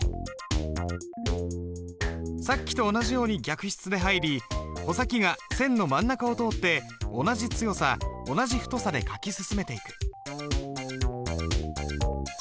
さっきと同じように逆筆で入り穂先が線の真ん中を通って同じ強さ同じ太さで書き進めていく。